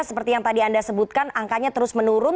seperti yang tadi anda sebutkan angkanya terus menurun